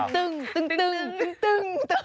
ตึงตึงตึง